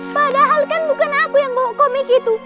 padahal kan bukan aku yang bawa komik itu